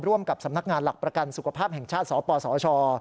ร่วมกับสำนักงานหลักประกันสุขภาพแห่งชาติสปสช